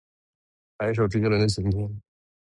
来一首周杰伦的晴天